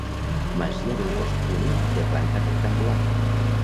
Masia d'un cos únic de planta rectangular.